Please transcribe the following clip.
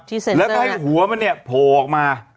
ที่เซ็นเซอร์แล้วก็ให้หัวมันเนี่ยโผล่ออกมา